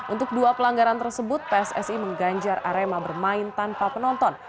untuk dua pelanggaran tersebut pssi mengganjar arema bermain tanpa penonton